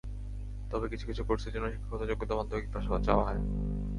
তবে কিছু কিছু কোর্সের জন্য শিক্ষাগত যোগ্যতা মাধ্যমিক পাস চাওয়া হয়।